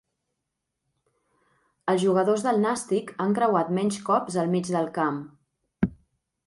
Els jugadors del Nàstic han creuat menys cops el mig camp.